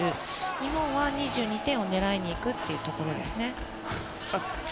日本は２２点を狙いに行くというところですね。